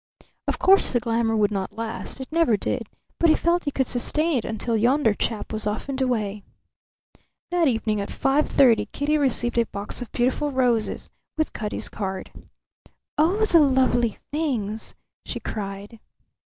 Of course the glamour would not last; it never did, but he felt he could sustain it until yonder chap was off and away. That evening at five thirty Kitty received a box of beautiful roses, with Cutty's card. "Oh, the lovely things!" she cried.